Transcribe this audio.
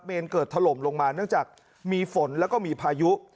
เกิดถล่มลงมาเนื่องจากมีฝนแล้วก็มีพายุ